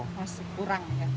masih kurang ya